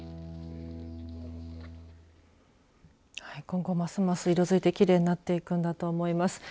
今後ますます色づいてきれいになっていくんだと思います。